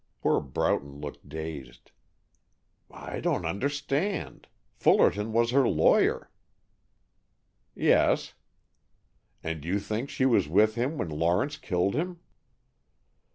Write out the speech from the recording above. Poor Broughton looked dazed. "I don't understand. Fullerton was her lawyer, " "Yes." "And you think she was with him when Lawrence killed him?"